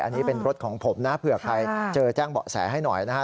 อันนี้เป็นรถของผมนะเผื่อใครเจอแจ้งเบาะแสให้หน่อยนะฮะ